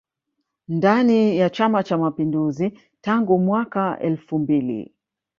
Ndani ya chama cha mapinduzi tangu mwaka elfu mbili